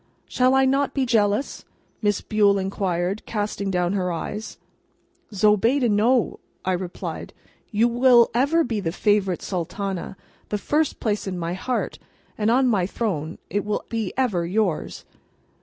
] "Shall I not be jealous?" Miss Bule inquired, casting down her eyes. "Zobeide, no," I replied; "you will ever be the favourite Sultana; the first place in my heart, and on my throne, will be ever yours."